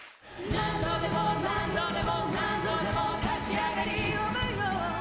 「何度でも何度でも何度でも立ち上がり呼ぶよ」